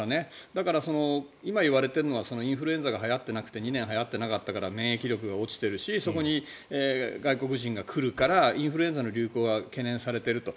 だから、今言われているのがインフルエンザが２年はやってなかったから免疫力が落ちているしそこに外国人が来るからインフルエンザの流行が懸念されていると。